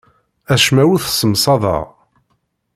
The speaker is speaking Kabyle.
Acemma ur t-ssemsadeɣ.